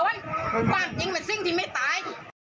ความจริงเป็นสิ่งที่ไม่ตาย